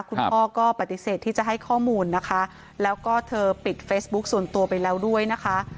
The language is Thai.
คุณพ่อก็ปฏิเสธที่จะให้ข้อมูลนะคะแล้วก็เธอปิดเฟซบุ๊คส่วนตัวไปแล้วด้วยนะคะ